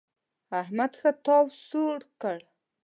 احمد ښه تاو سوړ کړ.